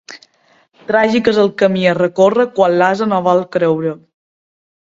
Tràgic és el camí a recórrer quan l'ase no vol creure.